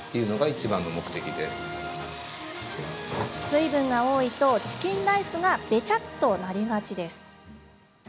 水分が多いとチキンライスがベチャッとなりがちです。